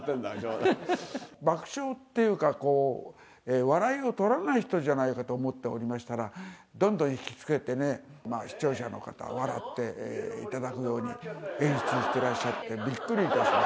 爆笑っていうか、こう、笑いを取らない人じゃないかと思っておりましたら、どんどん引き付けてね、視聴者の方、笑っていただくように演出していらっしゃって、びっくりいたしました。